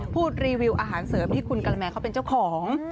รีวิวอาหารเสริมที่คุณกะละแมเขาเป็นเจ้าของ